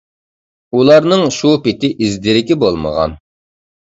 ئۇلارنىڭ شۇ پېتى ئىز-دېرىكى بولمىغان.